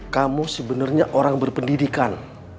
kamu sebenarnya orang berpendidikan